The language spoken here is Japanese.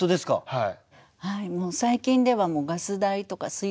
はい。